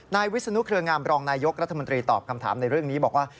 วิศนุเครืองามรองนายยกรัฐมนตรีตอบคำถามในเรื่องนี้บอกว่า